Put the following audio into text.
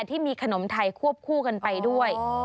ที่มีขนมไทยควบคู่กันไปด้วย